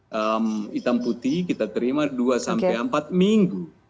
hitam putih kita terima dua empat minggu